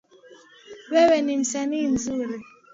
Wewe ni msanii mzuri